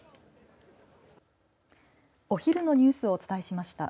お昼のニュースをお伝えしました。